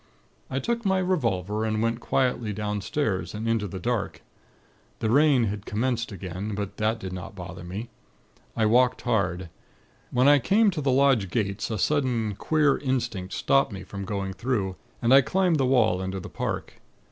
"I took my revolver, and went quietly downstairs, and into the dark. The rain had commenced again; but that did not bother me. I walked hard. When I came to the lodge gates, a sudden, queer instinct stopped me from going through, and I climbed the wall into the park.